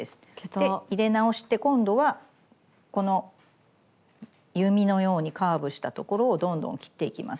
で入れ直して今度はこの弓のようにカーブしたところをどんどん切っていきます。